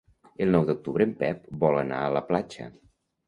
El nou d'octubre en Pep vol anar a la platja.